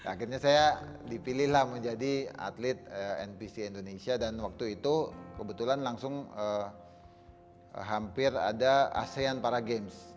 akhirnya saya dipilihlah menjadi atlet npc indonesia dan waktu itu kebetulan langsung hampir ada asean para games